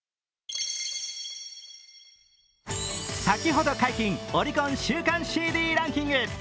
先ほど解禁オリコン週間ＣＤランキング。